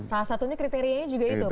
salah satunya kriterianya juga itu